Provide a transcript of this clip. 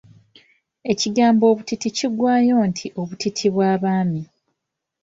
Ekigambo obutiiti kiggwayo nti obutiitiibyabaami.